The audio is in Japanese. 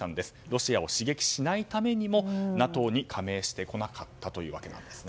ロシアを刺激しないためにもＮＡＴＯに加盟してこなかったというわけなんです。